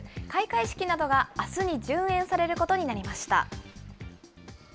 開会式などがあすに順延されることになりました。